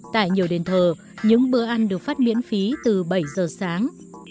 tại nhiều đền thờ những bữa ăn được phát miễn phí từ bảy giờ sáng